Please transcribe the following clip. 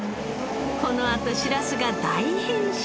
このあとしらすが大変身！